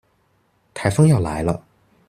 颱風要來了